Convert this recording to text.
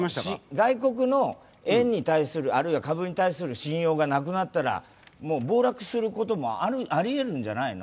外国の円に対する株に対する信用がなくなったら暴落することもありえるんじゃないの？